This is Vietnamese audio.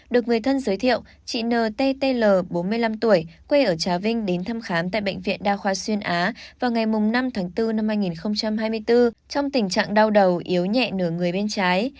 được người thân giới thiệu chị nttl bốn mươi năm tuổi quê ở trà vinh đến thăm khám tại bệnh viện đa khoa xuyên á vào ngày năm tháng bốn năm hai nghìn hai mươi bốn trong tình trạng đau đầu yếu nhẹ nửa người bên trái